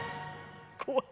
怖い。